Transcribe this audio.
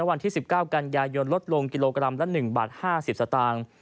วันที่๑๙กันยายนลดลงกิโลกรัมละ๑บาท๕๐สตางค์